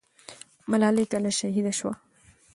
ملالۍ کله شهیده سوه؟